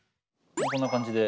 こんな感じで。